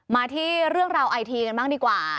มาที่เรื่องราวไอทีกันบ้างดีกว่า